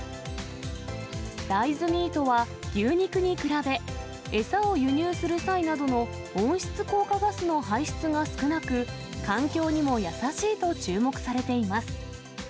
大豆ミートは牛肉に比べ、餌を輸入する際などの温室効果ガスの排出が少なく、環境にも優しいと注目されています。